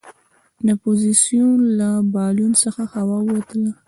د اپوزیسون له بالون څخه هوا ووتله.